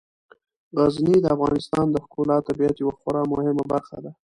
غزني د افغانستان د ښکلي طبیعت یوه خورا مهمه برخه ده.